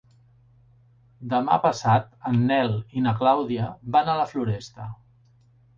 Demà passat en Nel i na Clàudia van a la Floresta.